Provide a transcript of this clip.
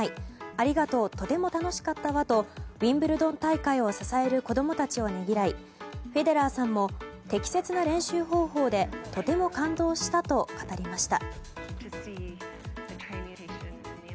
ありがとうとても楽しかったわとウィンブルドン大会を支える子供たちをねぎらいフェデラーさんも適切な練習方法でとても感動したと語りました。